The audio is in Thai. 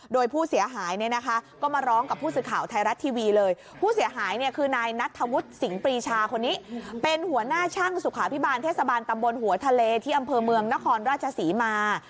โดยผู้เสียหายเนี่ยนะคะก็มาร้องกับผู้สื่อข่าวไทยรัฐทีวีเลยผู้เสียหายเนี่ยคือนายนัทธวุฒิสิงหรีชาคนนี้เป็นหัวหน้าช่างสุขาพิบาลเทศบาลตำบลหัวทะเลที่อำเภอเมืองนครราชศรีมา